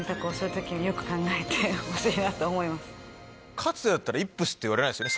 かつてだったらイップスって言われないですよね。